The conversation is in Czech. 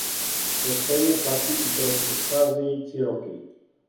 To stejné platí i pro předcházející roky.